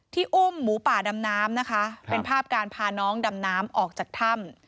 อุ้มหมูป่าดำน้ำนะคะเป็นภาพการพาน้องดำน้ำออกจากถ้ำ